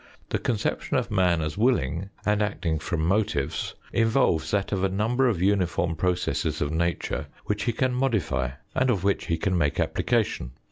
The conception of man as willing and acting from motives involves that of a number of uniform pro cesses of nature which he can modify, and of which he can make application.